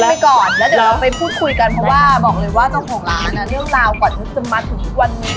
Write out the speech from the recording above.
ไปก่อนแล้วเดี๋ยวเราไปพูดคุยกันเพราะว่าบอกเลยว่าเจ้าของร้านเรื่องราวก่อนมุกจะมาถึงทุกวันนี้